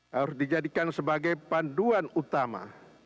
harus dijadikan sebagai panduan utama